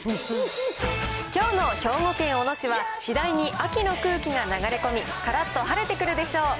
きょうの兵庫県小野市は、次第に秋の空気が流れ込み、からっと晴れてくるでしょう。